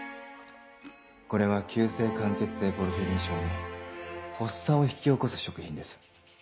これは急性間欠性ポルフィリン症の発作を引き起こす食品です。